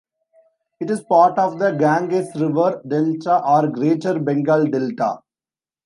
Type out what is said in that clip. It is part of the Ganges River delta or Greater Bengal Delta.